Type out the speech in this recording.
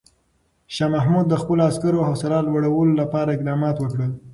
شاه محمود د خپلو عسکرو حوصله لوړولو لپاره اقدامات وکړل.